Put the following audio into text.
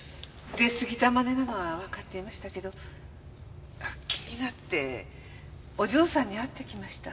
出すぎた真似なのはわかっていましたけど気になってお嬢さんに会ってきました。